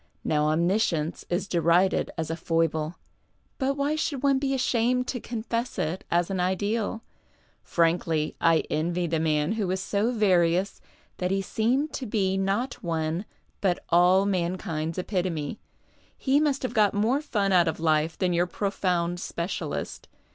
Now omniscience is derided as a " foible," but why should one be ashamed to confess it as an ideal ? Frankly, I envy the man who was so various that he seemed to be not one but all mankind's epitome. He must have got more fun out of life than your profound specialist.